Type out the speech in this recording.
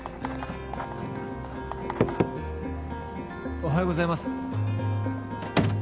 おはようございます。